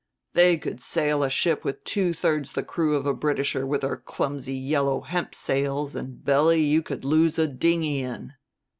They could sail a ship with two thirds the crew of a Britisher with her clumsy yellow hemp sails and belly you could lose a dinghy in.